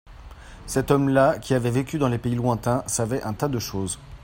Cet homme-là, qui avait vécu dans les pays lontains, savait un tas de choses.